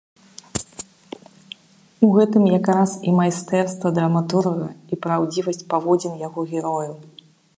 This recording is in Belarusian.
У гэтым якраз і майстэрства драматурга, і праўдзівасць паводзін яго герояў.